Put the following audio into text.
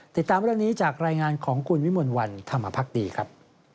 ติดตามเรื่องนี้จากรายงานของคุณวิมลวันธรรมภักดีครับ